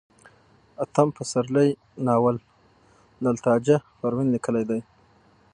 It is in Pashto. اتم پسرلی ناول لال تاجه پروين ليکلئ دی